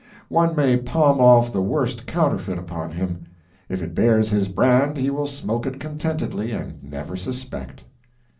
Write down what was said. One may palm off the worst counterfeit upon him; if it bears his brand he will smoke it contentedly and never suspect.